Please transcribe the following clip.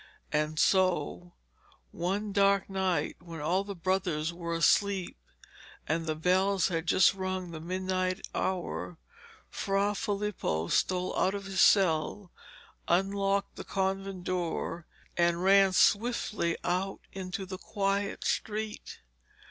And so one dark night, when all the brothers were asleep and the bells had just rung the midnight hour, Fra Filippo stole out of his cell, unlocked the convent door, and ran swiftly out into the quiet street.